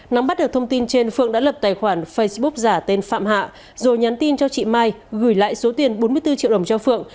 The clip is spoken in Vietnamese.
nắm bắt được thông tin trên phượng đã lập tài khoản facebook giả tên phạm hạ rồi nhắn tin cho chị mai gửi lại số tiền bốn mươi bốn triệu đồng cho phượng